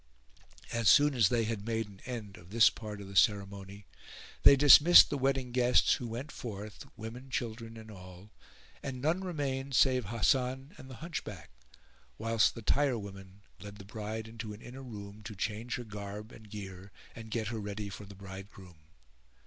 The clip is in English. As soon as they had made an end of this part of the ceremony they dismissed the wedding guests who went forth, women, children and all, and none remained save Hasan and the Hunchback, whilst the tirewomen led the bride into an inner room to change her garb and gear and get her ready for the bridegroom.